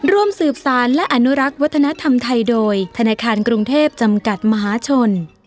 ร่วมสืบสารและอนุรักษ์วัฒนธรรมไทยโดยธนาคารกรุงเทพจำกัดมหาชน